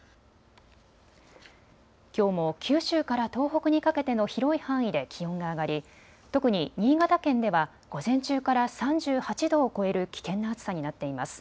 きょうも九州から東北にかけての広い範囲で気温が上がり特に新潟県では午前中から３８度を超える危険な暑さになっています。